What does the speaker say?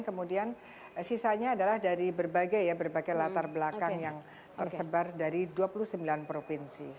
kemudian sisanya adalah dari berbagai ya berbagai latar belakang yang tersebar dari dua puluh sembilan provinsi